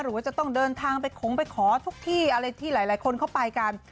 หรือว่าจะต้องเดินทางไปคงไปขอทุกที่อะไรที่หลายคนเข้าไปกัน